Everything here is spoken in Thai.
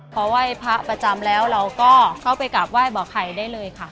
พอไหว้พระประจำแล้วเราก็เข้าไปกราบไหว้บอกไข่ได้เลยค่ะ